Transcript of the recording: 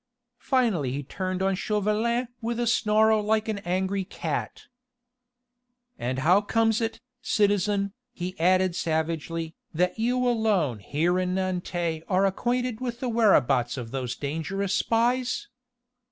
Finally he turned on Chauvelin with a snarl like an angry cat: "And how comes it, citizen," he added savagely, "that you alone here in Nantes are acquainted with the whereabouts of those dangerous spies?"